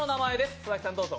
佐々木さんどうぞ。